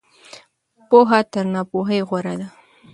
پوهه تر ناپوهۍ غوره ده.